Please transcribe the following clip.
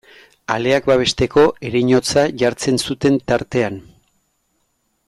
Aleak babesteko ereinotza jartzen zuten tartean.